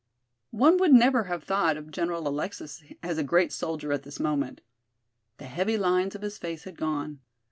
One would never have thought of General Alexis as a great soldier at this moment. The heavy lines of his face had gone.